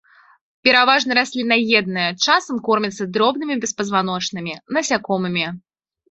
Пераважна расліннаедныя, часам кормяцца дробнымі беспазваночнымі, насякомымі.